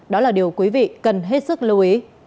đó là điều quý vị cần hết sức lưu ý